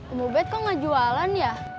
omobet kok gak jualan ya